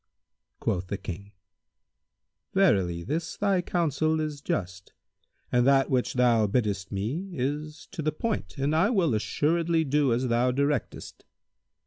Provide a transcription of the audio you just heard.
Quoth the King, "Verily, this thy counsel is just and that which thou biddest me is to the point and I will assuredly do as thou directest."